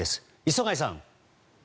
磯貝さん。